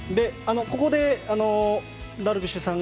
ここでダルビッシュさんが